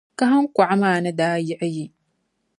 Kahiŋkɔɣu maa ni daa yiɣi yi.